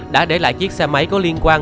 đã để lại chiếc xe máy có liên quan